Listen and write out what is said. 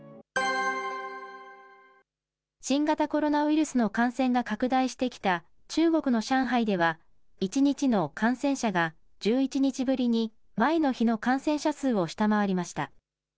新型コロナウイルスの感染が拡大してきた中国の上海では、１日の感染者が１１日ぶりに前の日の感染者数を下回りました。